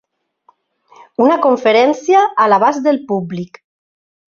Una conferència a l'abast del públic.